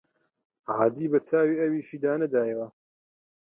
حاجی بە چاوی ئەویشیدا نەدایەوە